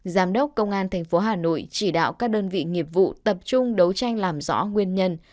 giám đốc công an tp hà nội chỉ đạo các đơn vị nghiệp vụ tập trung đấu tranh làm rõ nguyên nhân